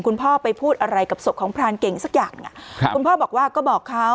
พ่อไปพูดอะไรกับศพของพรานเก่งสักอย่างอ่ะครับคุณพ่อบอกว่าก็บอกเขา